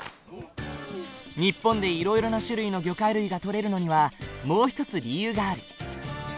日本でいろいろな種類の魚介類が取れるのにはもう一つ理由がある。